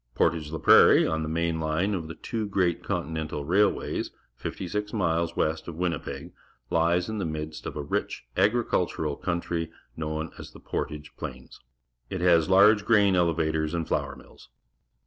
^Portage la Prairie, on the main line of the two great continental ra ilw ays, fifty six miles west of Winnipeg, Ues in the midst of a rich agricultural country known as the "Portage Plains." It has large grain eleva tors and flour mills.